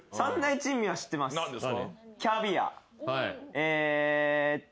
えーっと。